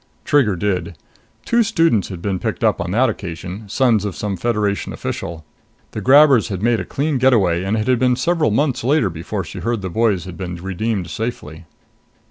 Trigger did. Two students had been picked up on that occasion sons of some Federation official. The grabbers had made a clean getaway, and it had been several months later before she heard the boys had been redeemed safely.